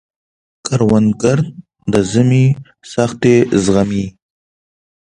کروندګر د ژمي سختۍ زغمي